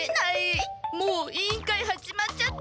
もう委員会始まっちゃってるのに！